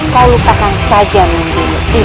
kau lupakan saja menemuti